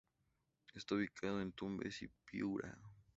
Está ubicado en Tumbes y Piura.